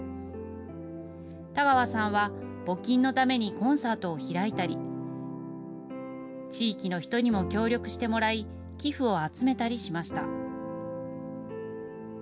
田川さんは募金のためにコンサートを開いたり、地域の人にも協力してもらい、寄付を集めたりしました。